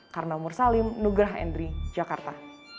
karma mursalim nugrah endri jakarta